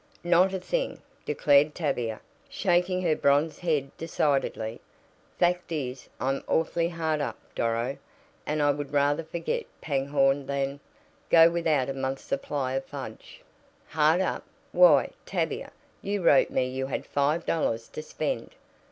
"Not a thing," declared Tavia, shaking her bronze head decidedly. "Fact is, I'm awfully hard up, Doro, and I would rather forget Pangborn than go without a month's supply of fudge." "Hard up! Why, Tavia, you wrote me you had five dollars to spend."